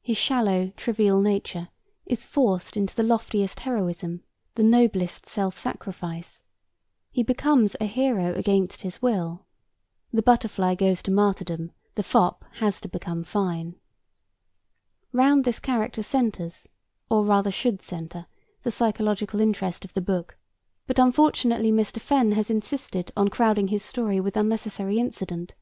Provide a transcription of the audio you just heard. His shallow, trivial nature is forced into the loftiest heroism, the noblest self sacrifice. He becomes a hero against his will. The butterfly goes to martyrdom, the fop has to become fine. Round this character centres, or rather should centre, the psychological interest of the book, but unfortunately Mr. Fenn has insisted on crowding his story with unnecessary incident.